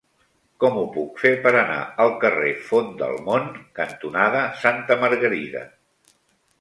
Com ho puc fer per anar al carrer Font del Mont cantonada Santa Margarida?